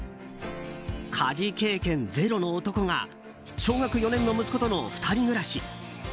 家事経験ゼロの男が小学４年の息子との２人暮らし。